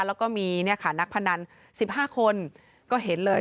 แล้วก็มีนักพนัน๑๕คนก็เห็นเลย